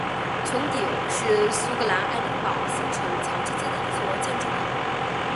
穹顶是苏格兰爱丁堡新城乔治街的一座建筑物。